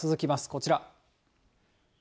こちら。